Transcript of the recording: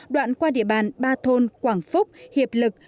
đoạn qua địa bàn ba thôn quảng phúc hiệp lực